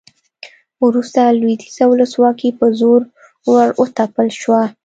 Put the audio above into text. وروسته لویدیځه ولسواکي په زور راوتپل شوه